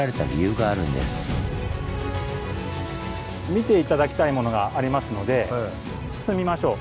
見て頂きたいものがありますので進みましょう。